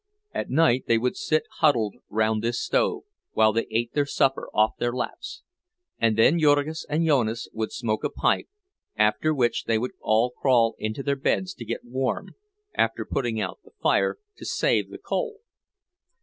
At night they would sit huddled round this stove, while they ate their supper off their laps; and then Jurgis and Jonas would smoke a pipe, after which they would all crawl into their beds to get warm, after putting out the fire to save the coal.